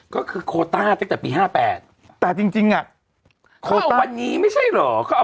ก็คือโคต้าตั้งแต่ปี๕๘แต่จริงเขาเอาวันนี้ไม่ใช่หรอ